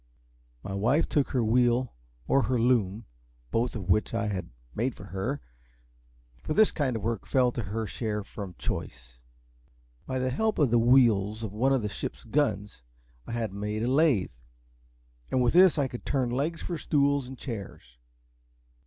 My wife took her wheel or her loom, both of which I had made for her, for this kind of work fell to her share from choice. By the help of the wheels of one of the ship's guns I had made a lathe, and with this I could turn legs for stools and chairs.